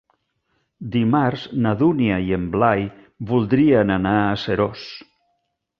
Dimarts na Dúnia i en Blai voldrien anar a Seròs.